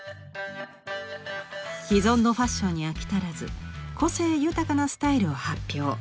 既存のファッションに飽き足らず個性豊かなスタイルを発表。